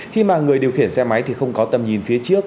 khi mà người điều khiển xe máy thì không có tầm nhìn phía trước